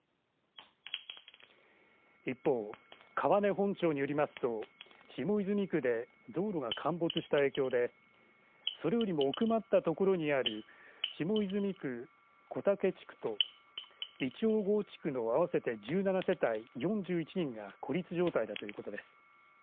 一方、川根本町によりますと下泉区で道路が陥没した影響でそれよりも奥まったところにある下泉区小竹地区と壱町河内区の合わせて１７世帯４１人が孤立状態だということです。